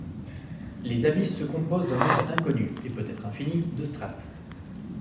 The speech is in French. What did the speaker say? Les Abysses se composent d’un nombre inconnu - et peut-être infini - de strates.